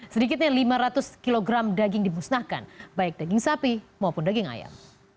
sedikitnya lima ratus kg daging dimusnahkan baik daging sapi maupun daging ayam